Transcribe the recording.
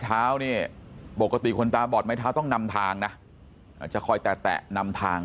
เท้าเนี่ยปกติคนตาบอดไม้เท้าต้องนำทางนะจะคอยแตะนำทาง